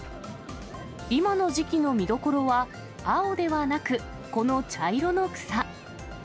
今の時期の見どころは、青ではなく、この茶色の草。